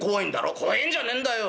「怖えんじゃねえんだよ。